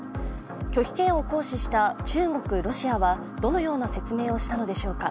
拒否権を行使した中国、ロシアはどのような説明をしたのでしょうか。